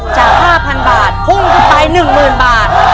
จาก๕๐๐๐บาทพุ่งขึ้นไป๑๐๐๐บาท